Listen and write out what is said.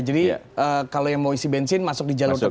kalau yang mau isi bensin masuk di jalur tersebut